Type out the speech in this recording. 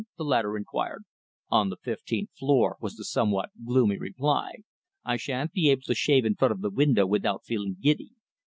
the latter inquired. "On the fifteenth floor," was the somewhat gloomy reply. "I shan't be able to shave in front of the window without feeling giddy.